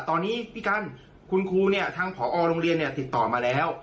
ตอนนี้พี่กันคุณครูเนี่ยทางผอโรงเรียนเนี่ยติดต่อมาแล้ว